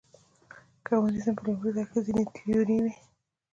کمونیزم په لومړي سر کې ځینې تیورۍ وې.